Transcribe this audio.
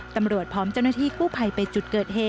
ตำรวจพร้อมเจ้าหน้าที่ปลูกภัยไปจุดเกิดเหตุ